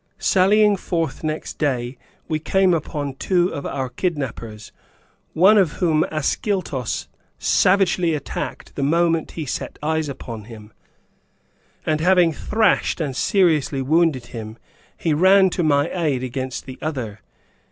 (Sallying forth next day, we came upon two of our kidnappers, one of whom Ascyltos savagely attacked the moment he set eyes upon him, and, after having thrashed and seriously wounded him, he ran to my aid against the other.